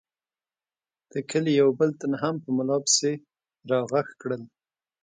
د کلي یو بل تن هم په ملا پسې را غږ کړل.